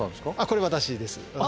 これ私です。